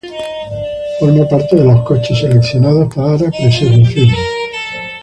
Forma parte de los coches seleccionados para preservación.